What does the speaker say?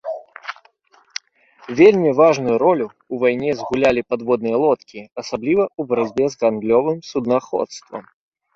Вельмі важную ролю ў вайне згулялі падводныя лодкі, асабліва ў барацьбе з гандлёвым суднаходствам.